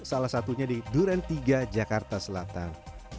salah satunya di duren tiga jakarta selatan